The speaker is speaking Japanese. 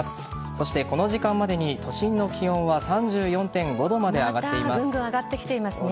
そしてこの時間までに都心の気温はぐんぐん上がってきていますね。